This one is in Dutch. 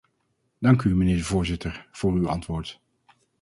Dank u, mijnheer de voorzitter, voor uw antwoord.